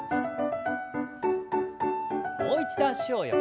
もう一度脚を横に。